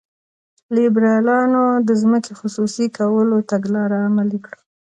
لیبرالانو د ځمکې خصوصي کولو تګلاره عملي کړه.